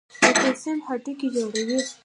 د کلسیم هډوکي جوړوي.